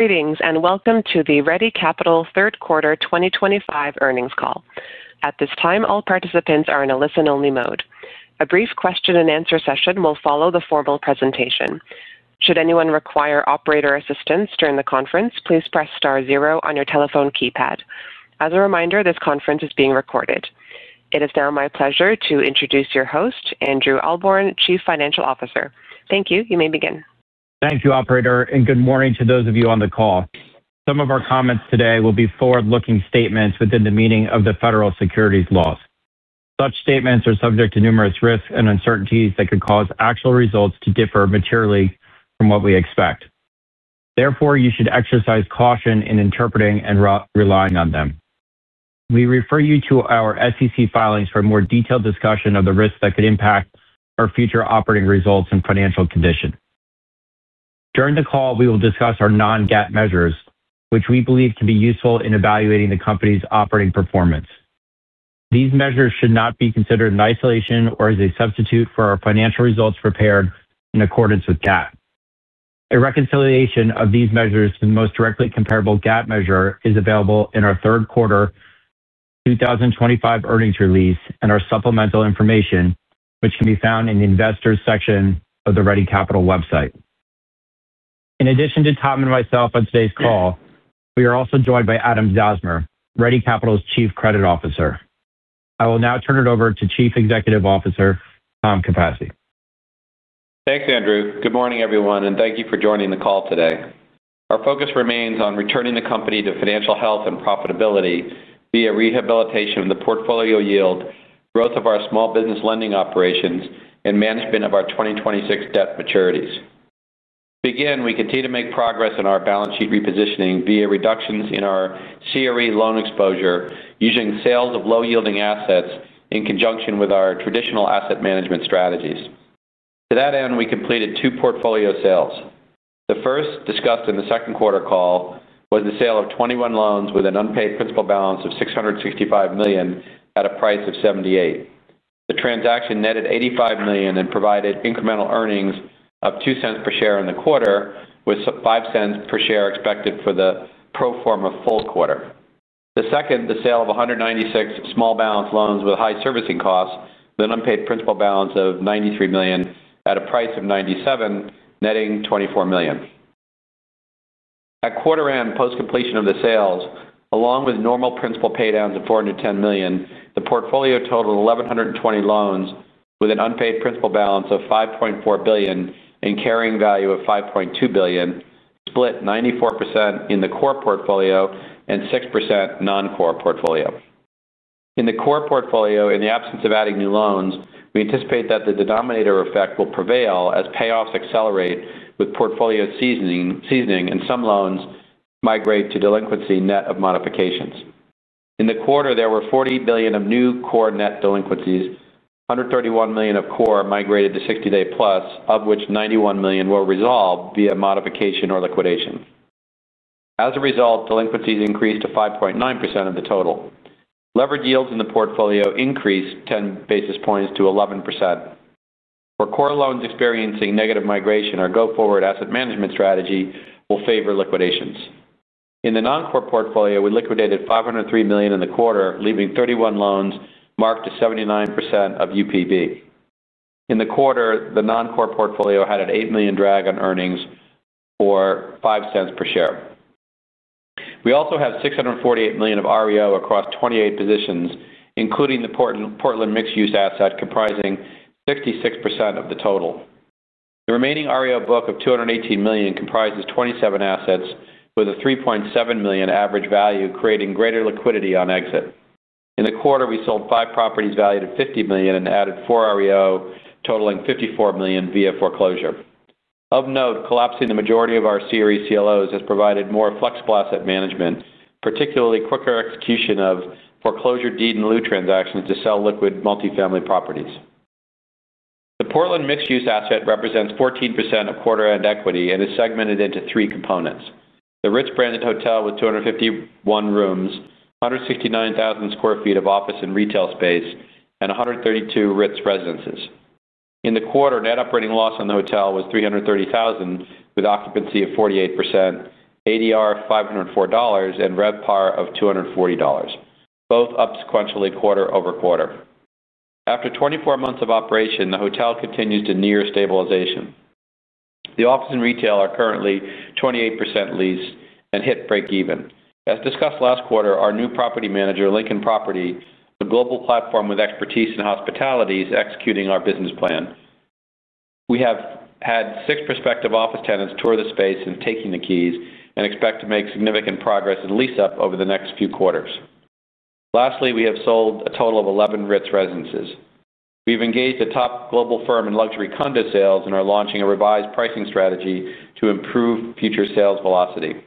Greetings and welcome to the Ready Capital third quarter 2025 earnings call. At this time, all participants are in a listen-only mode. A brief question-and-answer session will follow the formal presentation. Should anyone require operator assistance during the conference, please press star zero on your telephone keypad. As a reminder, this conference is being recorded. It is now my pleasure to introduce your host, Andrew Ahlborn, Chief Financial Officer. Thank you. You may begin. Thank you, Operator, and good morning to those of you on the call. Some of our comments today will be forward-looking statements within the meaning of the federal securities laws. Such statements are subject to numerous risks and uncertainties that could cause actual results to differ materially from what we expect. Therefore, you should exercise caution in interpreting and relying on them. We refer you to our SEC filings for a more detailed discussion of the risks that could impact our future operating results and financial condition. During the call, we will discuss our non-GAAP measures, which we believe can be useful in evaluating the company's operating performance. These measures should not be considered in isolation or as a substitute for our financial results prepared in accordance with GAAP. A reconciliation of these measures to the most directly comparable GAAP measure is available in our third quarter 2025 earnings release and our supplemental information, which can be found in the Investors section of the Ready Capital website. In addition to Tom and myself on today's call, we are also joined by Adam Zausmer, Ready Capital's Chief Credit Officer. I will now turn it over to Chief Executive Officer, Tom Capasse. Thanks, Andrew. Good morning, everyone, and thank you for joining the call today. Our focus remains on returning the company to financial health and profitability via rehabilitation of the portfolio yield, growth of our small business lending operations, and management of our 2026 debt maturities. To begin, we continue to make progress in our balance sheet repositioning via reductions in our CRE loan exposure using sales of low-yielding assets in conjunction with our traditional asset management strategies. To that end, we completed two portfolio sales. The first, discussed in the second quarter call, was the sale of 21 loans with an unpaid principal balance of $665 million at a price of $78. The transaction netted $85 million and provided incremental earnings of $0.02 per share in the quarter, with $0.05 per share expected for the pro forma full quarter. The second, the sale of 196 small balance loans with high servicing costs, with an unpaid principal balance of $93 million at a price of $97 million, netting $24 million. At quarter end, post-completion of the sales, along with normal principal paydowns of $410 million, the portfolio totaled 1,120 loans with an unpaid principal balance of $5.4 billion and carrying value of $5.2 billion, split 94% in the core portfolio and 6% non-core portfolio. In the core portfolio, in the absence of adding new loans, we anticipate that the denominator effect will prevail as payoffs accelerate with portfolio seasoning and some loans migrate to delinquency net of modifications. In the quarter, there were $40 million of new core net delinquencies, $131 million of core migrated to 60-day plus, of which $91 million were resolved via modification or liquidation. As a result, delinquencies increased to 5.9% of the total. Leverage yields in the portfolio increased 10 basis points to 11%. For core loans experiencing negative migration, our go-forward asset management strategy will favor liquidations. In the non-core portfolio, we liquidated $503 million in the quarter, leaving 31 loans marked as 79% of UPB. In the quarter, the non-core portfolio had an $8 million drag on earnings or $0.05 per share. We also have $648 million of REO across 28 positions, including the Portland mixed-use asset comprising 66% of the total. The remaining REO book of $218 million comprises 27 assets with a $3.7 million average value, creating greater liquidity on exit. In the quarter, we sold five properties valued at $50 million and added four REO totaling $54 million via foreclosure. Of note, collapsing the majority of our CRE CLOs has provided more flexible asset management, particularly quicker execution of foreclosure deed and loan transactions to sell liquid multifamily properties. The Portland mixed-use asset represents 14% of quarter-end equity and is segmented into three components: the Ritz Branded Hotel with 251 rooms, 169,000 sq ft of office and retail space, and 132 Ritz residences. In the quarter, net operating loss on the hotel was $330,000 with occupancy of 48%, ADR of $504, and RevPAR of $240, both up sequentially quarter over quarter. After 24 months of operation, the hotel continues to near stabilization. The office and retail are currently 28% leased and hit break-even. As discussed last quarter, our new property manager, Lincoln Property Company, the global platform with expertise in hospitality, is executing our business plan. We have had six prospective office tenants tour the space and take the keys and expect to make significant progress in lease-up over the next few quarters. Lastly, we have sold a total of 11 Ritz residences. We've engaged a top global firm in luxury condo sales and are launching a revised pricing strategy to improve future sales velocity.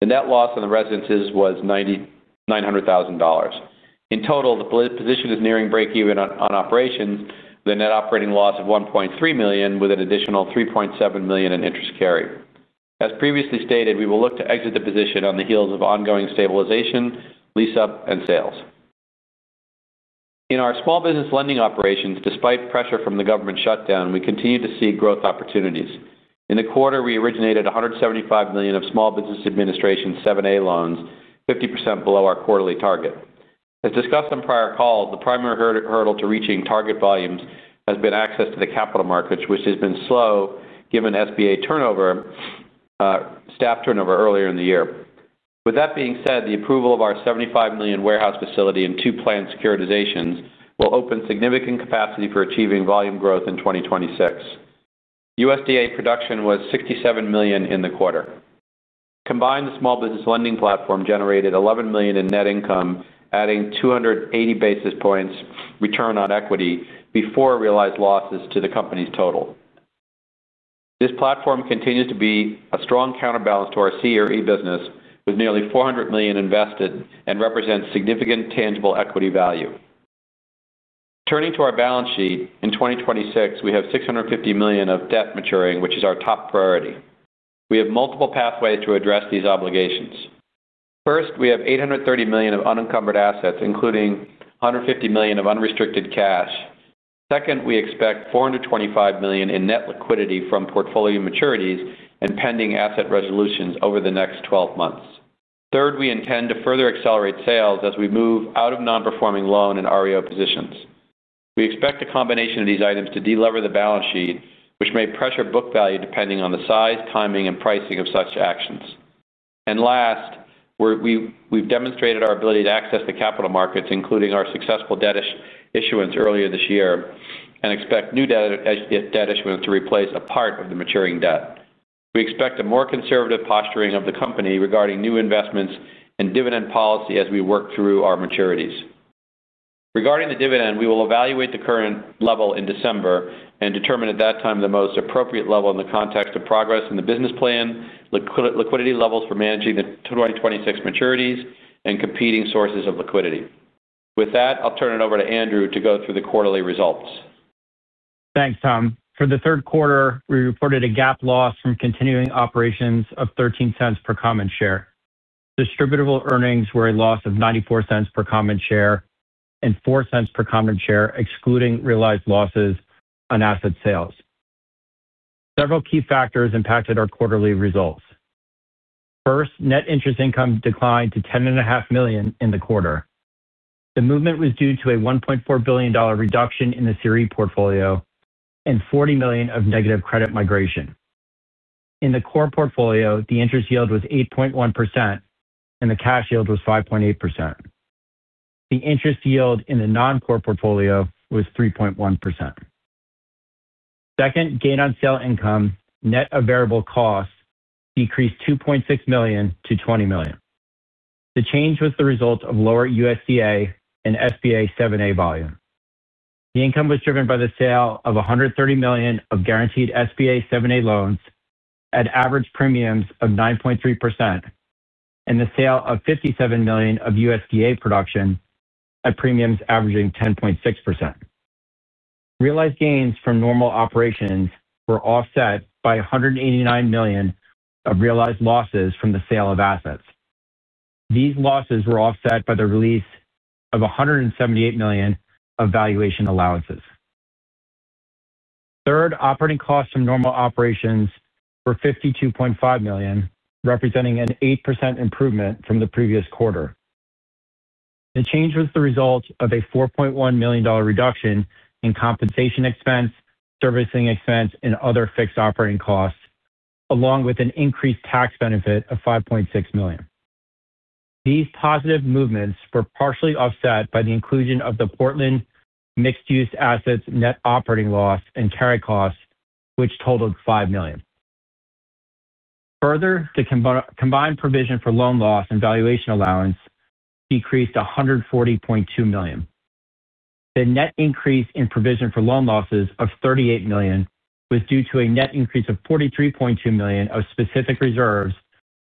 The net loss on the residences was $900,000. In total, the position is nearing break-even on operations with a net operating loss of $1.3 million with an additional $3.7 million in interest carry. As previously stated, we will look to exit the position on the heels of ongoing stabilization, lease-up, and sales. In our small business lending operations, despite pressure from the government shutdown, we continue to see growth opportunities. In the quarter, we originated $175 million of SBA 7(a) loans, 50% below our quarterly target. As discussed on prior calls, the primary hurdle to reaching target volumes has been access to the capital markets, which has been slow given SBA staff turnover earlier in the year. With that being said, the approval of our $75 million warehouse facility and two planned securitizations will open significant capacity for achieving volume growth in 2026. USDA production was $67 million in the quarter. Combined, the small business lending platform generated $11 million in net income, adding 280 basis points return on equity before realized losses to the company's total. This platform continues to be a strong counterbalance to our CRE business with nearly $400 million invested and represents significant tangible equity value. Turning to our balance sheet, in 2026, we have $650 million of debt maturing, which is our top priority. We have multiple pathways to address these obligations. First, we have $830 million of unencumbered assets, including $150 million of unrestricted cash. Second, we expect $425 million in net liquidity from portfolio maturities and pending asset resolutions over the next 12 months. Third, we intend to further accelerate sales as we move out of non-performing loan and REO positions. We expect a combination of these items to delever the balance sheet, which may pressure book value depending on the size, timing, and pricing of such actions. Last, we've demonstrated our ability to access the capital markets, including our successful debt issuance earlier this year, and expect new debt issuance to replace a part of the maturing debt. We expect a more conservative posturing of the company regarding new investments and dividend policy as we work through our maturities. Regarding the dividend, we will evaluate the current level in December and determine at that time the most appropriate level in the context of progress in the business plan, liquidity levels for managing the 2026 maturities, and competing sources of liquidity. With that, I'll turn it over to Andrew to go through the quarterly results. Thanks, Tom. For the third quarter, we reported a GAAP loss from continuing operations of $0.13 per common share. Distributable earnings were a loss of $0.94 per common share and $0.04 per common share, excluding realized losses on asset sales. Several key factors impacted our quarterly results. First, net interest income declined to $10.5 million in the quarter. The movement was due to a $1.4 billion reduction in the CRE portfolio and $40 million of negative credit migration. In the core portfolio, the interest yield was 8.1%, and the cash yield was 5.8%. The interest yield in the non-core portfolio was 3.1%. Second, gain on sale income, net of variable costs, increased $2.6 million to $20 million. The change was the result of lower USDA and SBA 7(a) volume. The income was driven by the sale of $130 million of guaranteed SBA 7(a) loans at average premiums of 9.3% and the sale of $57 million of USDA production at premiums averaging 10.6%. Realized gains from normal operations were offset by $189 million of realized losses from the sale of assets. These losses were offset by the release of $178 million of valuation allowances. Third, operating costs from normal operations were $52.5 million, representing an 8% improvement from the previous quarter. The change was the result of a $4.1 million reduction in compensation expense, servicing expense, and other fixed operating costs, along with an increased tax benefit of $5.6 million. These positive movements were partially offset by the inclusion of the Portland mixed-use assets net operating loss and carry costs, which totaled $5 million. Further, the combined provision for loan loss and valuation allowance decreased $140.2 million. The net increase in provision for loan losses of $38 million was due to a net increase of $43.2 million of specific reserves,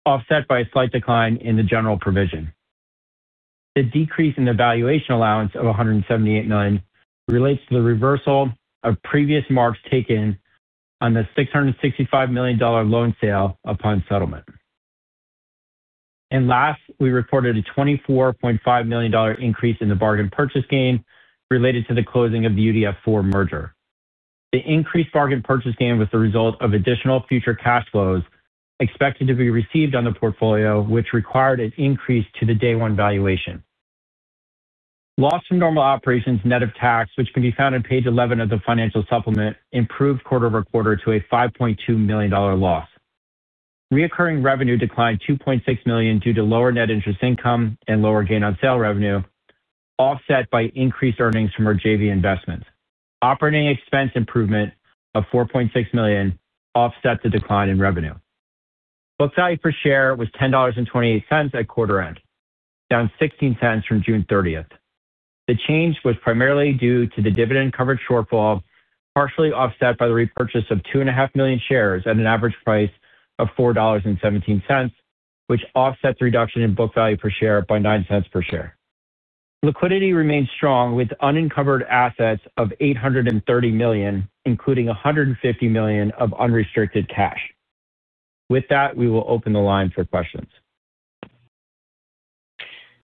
offset by a slight decline in the general provision. The decrease in the valuation allowance of $178 million relates to the reversal of previous marks taken on the $665 million loan sale upon settlement. Last, we reported a $24.5 million increase in the bargain purchase gain related to the closing of the UDF4 merger. The increased bargain purchase gain was the result of additional future cash flows expected to be received on the portfolio, which required an increase to the day-one valuation. Loss from normal operations net of tax, which can be found on page 11 of the financial supplement, improved quarter over quarter to a $5.2 million loss. Reoccurring revenue declined $2.6 million due to lower net interest income and lower gain on sale revenue, offset by increased earnings from our JV investments. Operating expense improvement of $4.6 million offset the decline in revenue. Book value per share was $10.28 at quarter end, down $0.16 from June 30. The change was primarily due to the dividend covered shortfall, partially offset by the repurchase of 2.5 million shares at an average price of $4.17, which offset the reduction in book value per share by $0.09 per share. Liquidity remained strong with unencumbered assets of $830 million, including $150 million of unrestricted cash. With that, we will open the line for questions.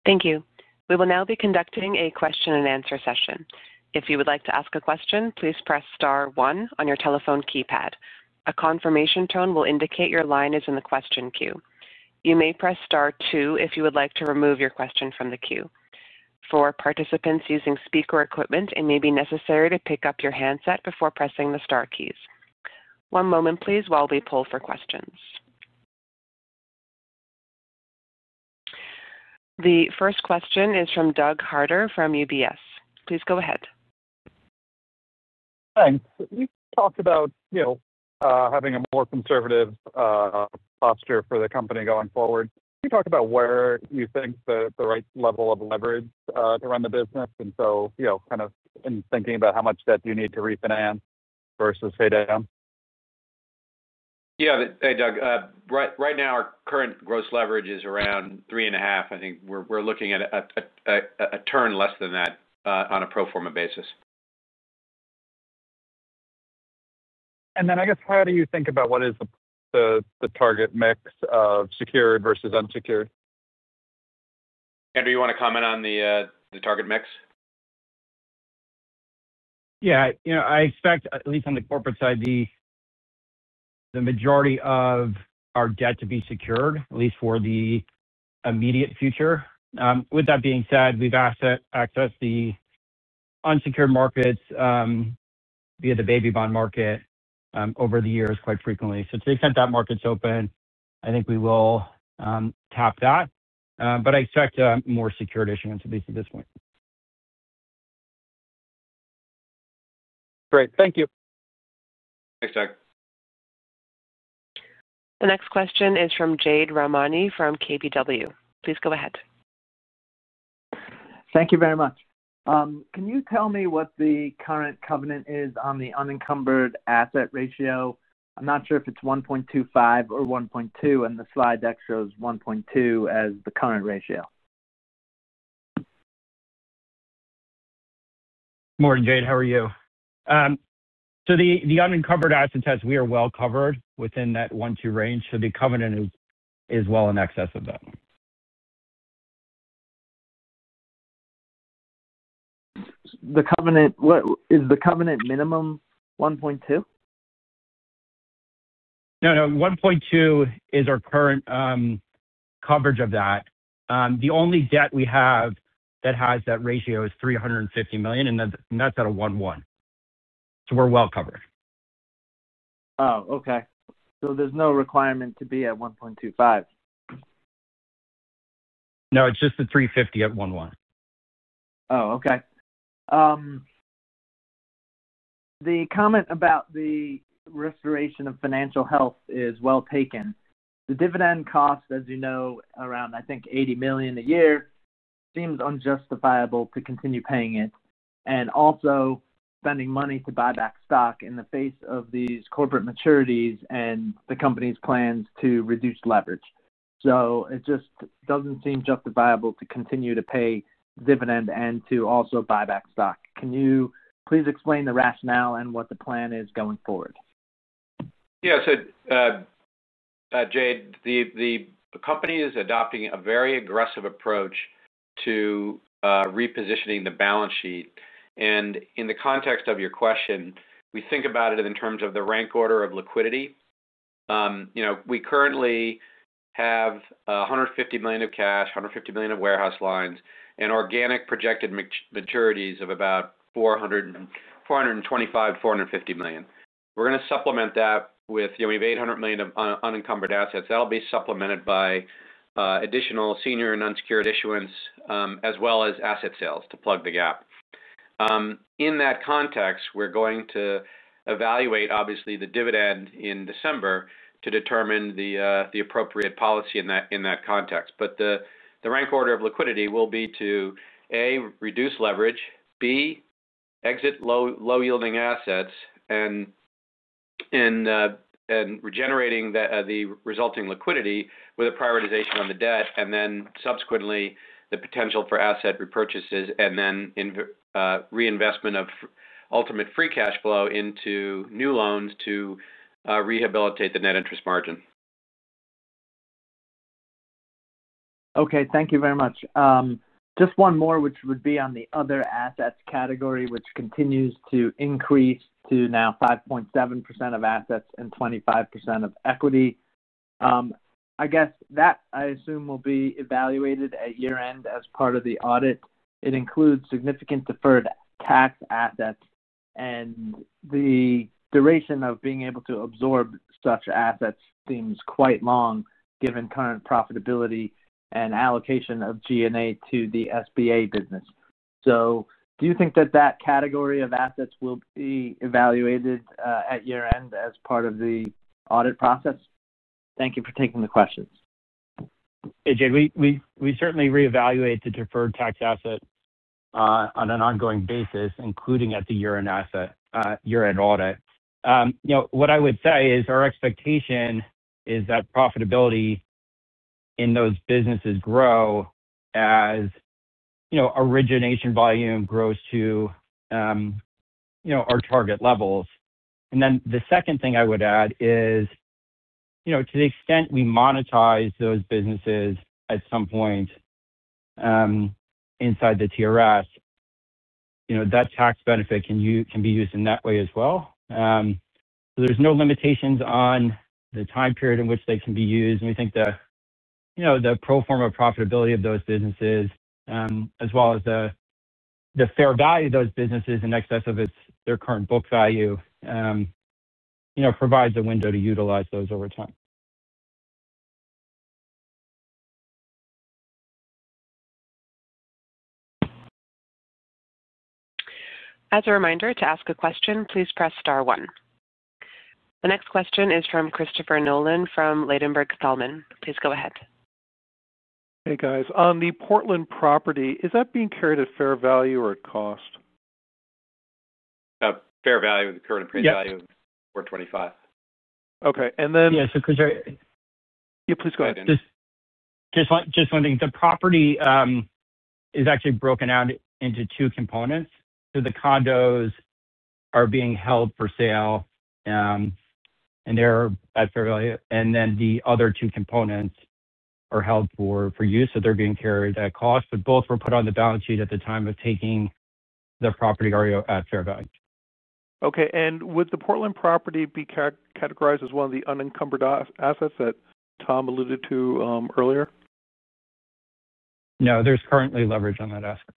Thank you. We will now be conducting a question-and-answer session. If you would like to ask a question, please press star one on your telephone keypad. A confirmation tone will indicate your line is in the question queue. You may press star two if you would like to remove your question from the queue. For participants using speaker equipment, it may be necessary to pick up your handset before pressing the star keys. One moment, please, while we pull for questions. The first question is from Doug Harter from UBS. Please go ahead. Thanks. You talked about having a more conservative posture for the company going forward. Can you talk about where you think the right level of leverage to run the business is and so kind of in thinking about how much debt you need to refinance versus pay down? Yeah. Hey, Doug. Right now, our current gross leverage is around $3.5 million. I think we're looking at a turn less than that on a pro forma basis. I guess, how do you think about what is the target mix of secured versus unsecured? Andrew, you want to comment on the target mix? Yeah. I expect, at least on the corporate side, the majority of our debt to be secured, at least for the immediate future. With that being said, we've accessed the unsecured markets via the baby bond market over the years quite frequently. To the extent that market's open, I think we will tap that. I expect more secured issuance, at least at this point. Great. Thank you. Thanks, Doug. The next question is from Jade Rahmani from KBW. Please go ahead. Thank you very much. Can you tell me what the current covenant is on the unencumbered asset ratio? I'm not sure if it's 1.25 or 1.2, and the slide deck shows 1.2 as the current ratio. Morning, Jade. How are you? The unencumbered asset test, we are well covered within that 1.2 range. The covenant is well in excess of that. Is the covenant minimum 1.2? No, no. 1.2 is our current coverage of that. The only debt we have that has that ratio is $350 million, and that's at a 1.1. So we're well covered. Oh, okay. So there's no requirement to be at 1.25? No. It's just the $350 at 1.1. Oh, okay. The comment about the restoration of financial health is well taken. The dividend cost, as you know, around, I think, $80 million a year seems unjustifiable to continue paying it and also spending money to buy back stock in the face of these corporate maturities and the company's plans to reduce leverage. It just does not seem justifiable to continue to pay dividend and to also buy back stock. Can you please explain the rationale and what the plan is going forward? Yeah. Jade, the company is adopting a very aggressive approach to repositioning the balance sheet. In the context of your question, we think about it in terms of the rank order of liquidity. We currently have $150 million of cash, $150 million of warehouse lines, and organic projected maturities of about $425 million-$450 million. We're going to supplement that with $800 million of unencumbered assets. That will be supplemented by additional senior and unsecured issuance as well as asset sales to plug the gap. In that context, we're going to evaluate, obviously, the dividend in December to determine the appropriate policy in that context. The rank order of liquidity will be to, A, reduce leverage, B, exit low-yielding assets, and regenerating the resulting liquidity with a prioritization on the debt, and then subsequently the potential for asset repurchases and then reinvestment of ultimate free cash flow into new loans to rehabilitate the net interest margin. Okay. Thank you very much. Just one more, which would be on the other assets category, which continues to increase to now 5.7% of assets and 25% of equity. I guess that, I assume, will be evaluated at year-end as part of the audit. It includes significant deferred tax assets, and the duration of being able to absorb such assets seems quite long given current profitability and allocation of G&A to the SBA business. Do you think that that category of assets will be evaluated at year-end as part of the audit process? Thank you for taking the questions. Hey, Jade. We certainly reevaluate the deferred tax asset on an ongoing basis, including at the year-end audit. What I would say is our expectation is that profitability in those businesses grow as origination volume grows to our target levels. The second thing I would add is, to the extent we monetize those businesses at some point inside the TRS, that tax benefit can be used in that way as well. There are no limitations on the time period in which they can be used. We think the pro forma profitability of those businesses, as well as the fair value of those businesses in excess of their current book value, provides a window to utilize those over time. As a reminder, to ask a question, please press star one. The next question is from Christopher Nolan from Ladenburg Thalmann. Please go ahead. Hey, guys. On the Portland property, is that being carried at fair value or at cost? Fair value with the current appraised value of $425. Okay. And then. Yeah. So Christopher. Yeah. Please go ahead. Just one thing. The property is actually broken out into two components. The condos are being held for sale, and they're at fair value. The other two components are held for use, so they're being carried at cost. Both were put on the balance sheet at the time of taking the property at fair value. Okay. Would the Portland property be categorized as one of the unencumbered assets that Tom alluded to earlier? No. There's currently leverage on that asset.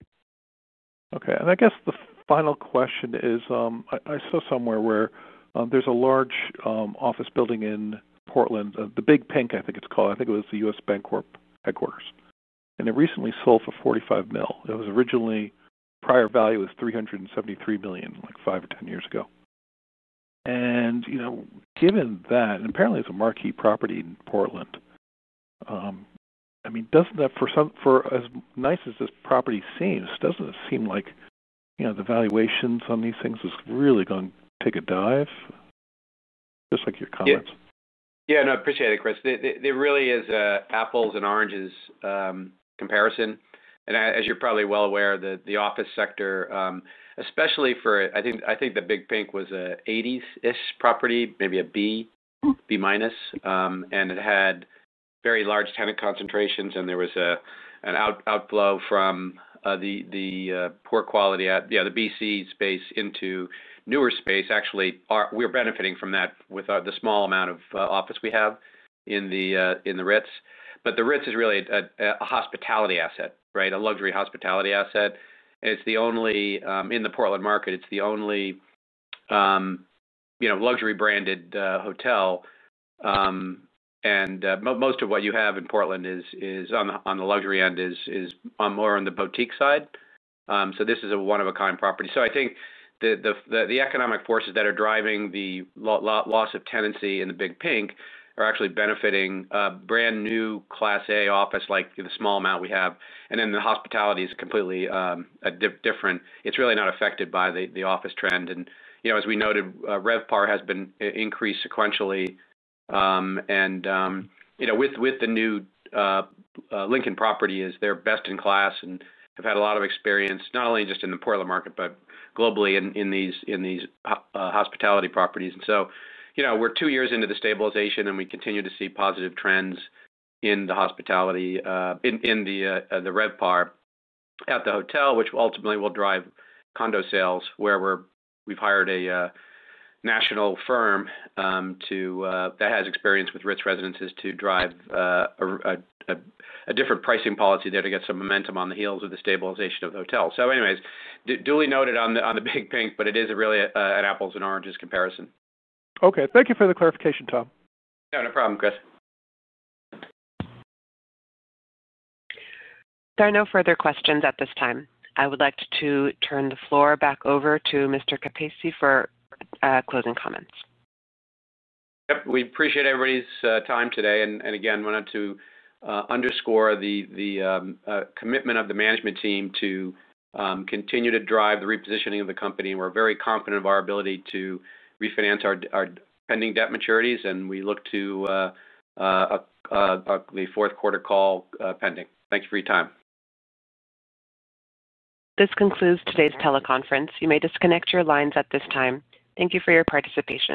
Okay. I guess the final question is, I saw somewhere where there's a large office building in Portland, the Big Pink, I think it's called. I think it was the US Bancorp headquarters. It recently sold for $45 million. It was originally prior value was $373 million, like 5 or 10 years ago. Given that, and apparently, it's a marquee property in Portland, I mean, doesn't that, for as nice as this property seems, doesn't it seem like the valuations on these things are really going to take a dive? Just like your comments. Yeah. No. I appreciate it, Chris. There really is apples and oranges comparison. As you're probably well aware, the office sector, especially for I think the Big Pink was a 1980s-ish property, maybe a B, B-. It had very large tenant concentrations, and there was an outflow from the poor quality, yeah, the BC space into newer space. Actually, we're benefiting from that with the small amount of office we have in the Ritz. The Ritz is really a hospitality asset, right, a luxury hospitality asset. It is the only in the Portland market, it is the only luxury-branded hotel. Most of what you have in Portland on the luxury end is more on the boutique side. This is a one-of-a-kind property. I think the economic forces that are driving the loss of tenancy in the Big Pink are actually benefiting brand-new class A office like the small amount we have. The hospitality is completely different. It's really not affected by the office trend. As we noted, RevPAR has been increased sequentially. With the new Lincoln Property Company, they're best in class and have had a lot of experience, not only just in the Portland market but globally in these hospitality properties. We're two years into the stabilization, and we continue to see positive trends in the hospitality in the RevPAR at the hotel, which ultimately will drive condo sales, where we've hired a national firm that has experience with Ritz residences to drive a different pricing policy there to get some momentum on the heels of the stabilization of the hotel. Anyways, duly noted on the Big Pink, but it is really an apples and oranges comparison. Okay. Thank you for the clarification, Tom. No. No problem, Chris. There are no further questions at this time. I would like to turn the floor back over to Mr. Capasse for closing comments. Yep. We appreciate everybody's time today. Again, wanted to underscore the commitment of the management team to continue to drive the repositioning of the company. We're very confident of our ability to refinance our pending debt maturities, and we look to the fourth quarter call pending. Thanks for your time. This concludes today's teleconference. You may disconnect your lines at this time. Thank you for your participation.